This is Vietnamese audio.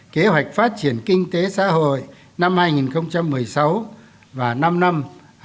kế hoạch phát triển kinh tế xã hội năm hai nghìn một mươi sáu và năm năm hai nghìn hai mươi một hai nghìn hai mươi